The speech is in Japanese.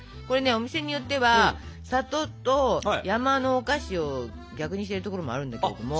お店によっては「里」と「山」のお菓子を逆にしてるところもあるんだけれども。